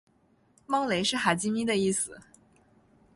猫雷是哈基米的意思